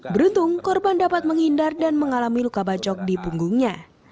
beruntung korban dapat menghindar dan mengalami luka bacok di punggungnya